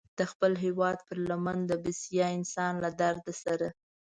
د خپل هېواد پر لمن د بسیا انسان له درد سره.